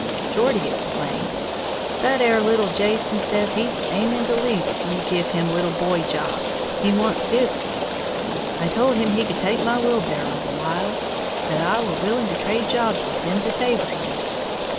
Geordie explained, "That 'ere little Jason says he's aiming to leave if you give him little boy jobs, he wants big ones. I told him he could take my wheel borrow awhile, that I were willing to trade jobs with him, to favor him."